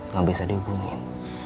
gak bisa dihubungin